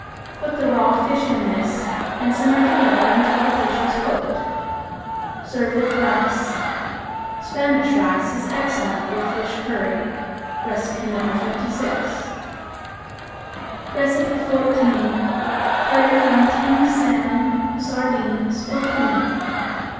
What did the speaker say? Put the raw fish in this and simmer together until the fish is cooked. Serve with rice. Spanish rice is excellent with fish curry. (No. 56.) 14. Curry from Tinned Salmon, Sardines, or Tuna.